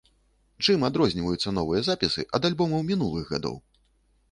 Чым адрозніваюцца новыя запісы ад альбомаў мінулых гадоў?